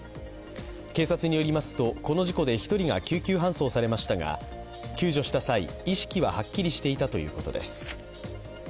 警察によりますとこの事故で１人が救急搬送されましたが救助した際、意識ははっきりしていたということです。